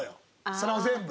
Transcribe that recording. それを全部。